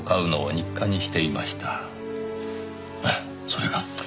それが？